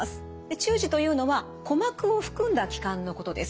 中耳というのは鼓膜を含んだ器官のことです。